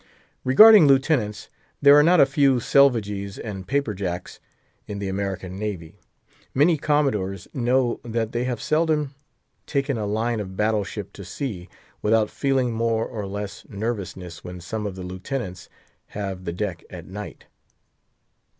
Regarding Lieutenants, there are not a few Selvagees and Paper Jacks in the American navy. Many Commodores know that they have seldom taken a line of battle ship to sea, without feeling more or less nervousness when some of the Lieutenants have the deck at night.